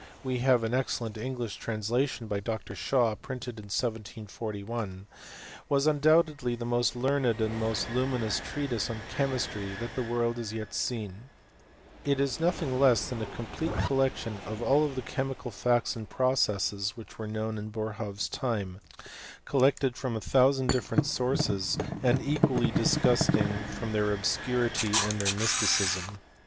we have an excellent English translation by Dr. Shaw, printed in 1741, was undoubtedly the most learned and most luminous treatise on chemistry that the world had yet seen ; it is nothing less than a complete col lection of all the chemical facts and processes which were known in Boerhaave's time, collected from a thousand diflPerent sources, and from writings equally disgusting from their obscurity and their mysticism.